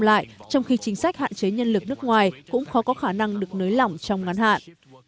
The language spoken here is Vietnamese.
lại trong khi chính sách hạn chế nhân lực nước ngoài cũng khó có khả năng được nới lỏng trong ngắn hạn